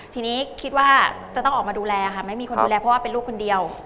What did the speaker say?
ทีนี้คิดว่าจะต้องออกมาดูแลค่ะไม่มีคนดูแลเพราะว่าเป็นลูกคนเดียว